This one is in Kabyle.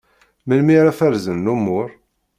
Melmi ara ferzen lumur?